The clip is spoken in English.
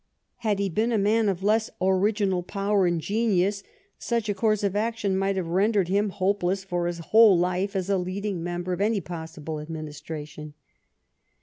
Had he been a man of less original power and genius, such a course of action might have rendered him hopeless for his whole life as a leading member of any possible administration.